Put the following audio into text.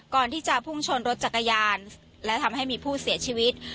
ก่อนที่จะพุ่งชนรถจักรยานและทำให้มีผู้เสียชีวิต